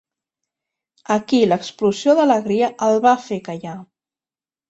Aquí l'explosió d'alegria el va fer callar.